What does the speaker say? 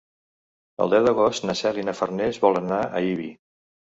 El deu d'agost na Cel i na Farners volen anar a Ibi.